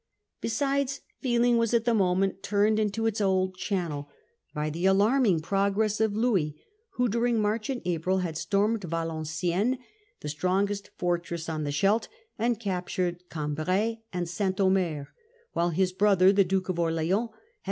Besides, feeling was at the moment turned into its old channel by the alarming progress of Louis, Capture of w ^° during March and April had stormed Vaten Valenciennes, the strongest fortress on the Defeat of Scheldt, and captured Cambrai and St. Omer ; Casself at while his brother, the Duke of Orleans, had April, 1677.